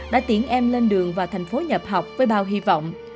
đã tiễn em lên đường vào thành phố nhập học với bao hy vọng